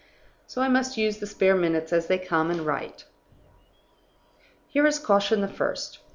So I must use the spare minutes as they come, and write. "Here is caution the first.